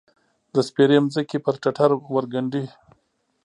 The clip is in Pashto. د سپیرې مځکې، پر ټټر ورګنډې